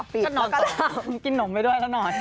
ก็นอนต่อกินหนมไปด้วยแล้วนอน